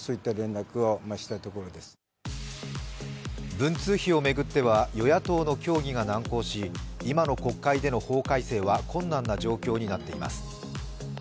文通費を巡っては与野党の協議が難航し今の国会での法改正は困難な状況になっています。